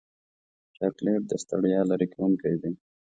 چاکلېټ د ستړیا لرې کوونکی دی.